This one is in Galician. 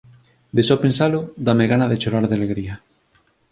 De só pensalo, dáme gana de chorar de alegría.